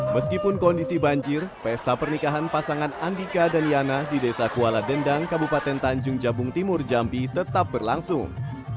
meskipun kondisi banjir pesta pernikahan pasangan andika dan yana di desa kuala dendang kabupaten tanjung jabung timur jambi tetap berlangsung